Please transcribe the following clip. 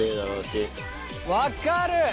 分かる！